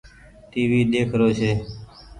ٽي وي ۮيک رو ڇي۔